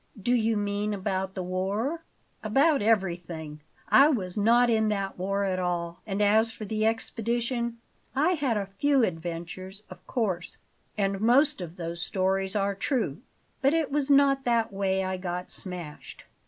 "Do you mean about the war?" "About everything. I was not in that war at all; and as for the expedition, I had a few adventures, of course, and most of those stories are true, but it was not that way I got smashed.